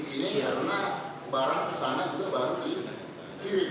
karena barang kesana juga baru dikirim